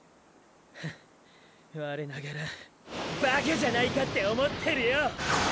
ハッ我ながらバカじゃないかって思ってるよ。